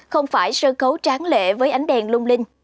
không phải sân khấu tráng lệ với ánh đèn lung linh